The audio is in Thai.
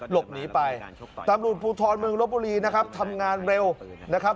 หลบหนีไปตำรวจภูทรเมืองลบบุรีนะครับทำงานเร็วนะครับ